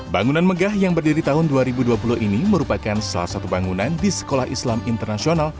bangunan megah yang berdiri tahun dua ribu dua puluh ini merupakan salah satu bangunan di sekolah islam internasional